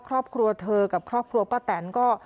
ครอบครัวเธอกับครอบครัวป้าแตนก็